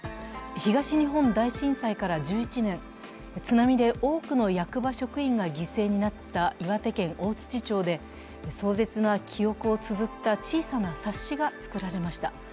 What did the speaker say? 東日本大震災から１１年、津波で多くの役場職員が犠牲になった岩手県大槌町で、壮絶な記憶をつづった小さな冊子が作られました。